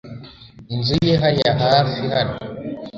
Inzu ye hariya hafi hano .